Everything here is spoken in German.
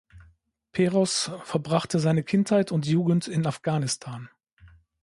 Peroz verbrachte seine Kindheit und Jugend in Afghanistan.